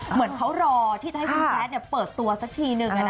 เหมือนเขารอที่จะให้คุณแจ๊ดเปิดตัวสักทีนึง